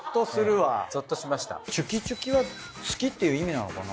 ちゅきちゅきは好きっていう意味なのかな？